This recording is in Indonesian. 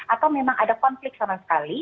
atau memang ada konflik sama sekali